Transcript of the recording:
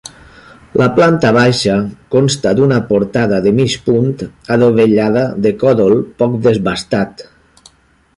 La planta baixa consta d’una portada de mig punt adovellada de còdol poc desbastat.